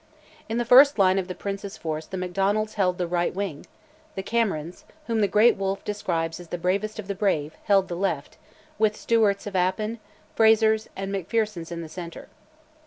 In the first line of the Prince's force the Macdonalds held the right wing, the Camerons (whom the great Wolfe describes as the bravest of the brave) held the left; with Stewarts of Appin, Frazers, and Macphersons in the centre.